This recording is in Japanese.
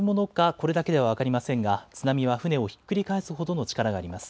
これだけでは分かりませんが津波は船をひっくり返すほどの力があります。